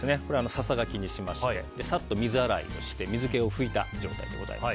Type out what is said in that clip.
ささがきにしましてサッと水洗いして水気を拭いた状態です。